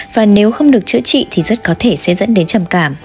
và nếu không được chữa trị thì rất có thể sẽ dẫn đến trầm cảm